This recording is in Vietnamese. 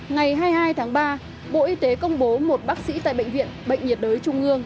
ngày hai mươi hai tháng ba bộ y tế công bố một bác sĩ tại bệnh viện bệnh nhiệt đới trung ương